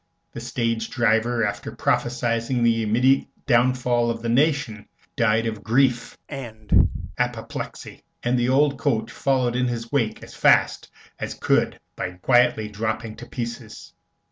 The stage driver, after prophesying the immediate downfall of the nation, died of grief and apoplexy, and the old coach followed in his wake as fast as could by quietly dropping to pieces.